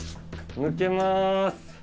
抜けまーす。